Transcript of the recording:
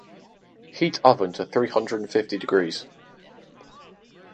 Heat oven to three hundred fifty degrees.